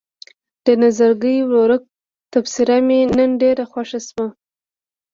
د نظرګي ورورک تبصره مې نن ډېره خوښه شوه.